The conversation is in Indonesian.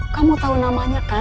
kamu tau namanya kan